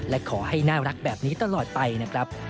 และขอให้น่ารักแบบนี้ตลอดไปนะครับ